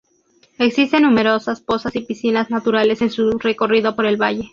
Existen numerosas pozas y piscinas naturales en su recorrido por el valle.